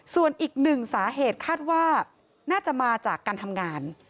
ส่วนอีกหนึ่งสาเหตุคาดว่าน่าจะมาจากการทำงาน